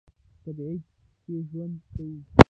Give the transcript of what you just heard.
په تبعید کې ژوند کاوه.